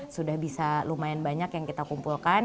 sudah bisa lumayan banyak yang kita kumpulkan